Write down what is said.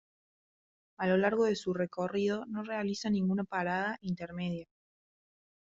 A lo largo de su recorrido no realiza ninguna parada intermedia.